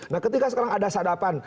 nah ketika sekarang ada sadapan